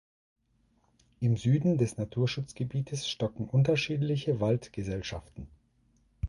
Im Süden des Naturschutzgebietes stocken unterschiedliche Waldgesellschaften.